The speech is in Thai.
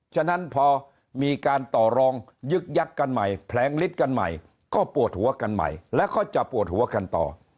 ฉะนั้นพอมีการต่อรองยึกยักษ์กันใหม่แผลงฤทธิ์กันใหม่ก็ปวดหัวกันใหม่แล้วก็จะปวดหัวกันต่อ